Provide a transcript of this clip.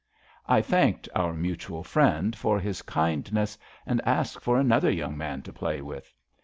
I thanked our Mutual Friend for his kindness, and asked for another young man to play with.